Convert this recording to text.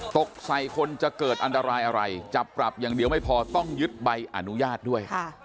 ตกใส่คนจะเกิดอันตรายอะไรจับปรับอย่างเดียวไม่พอต้องยึดใบอนุญาตด้วย